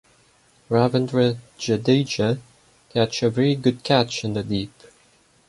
Ravindra Jadeja catch a very good catch in the deep.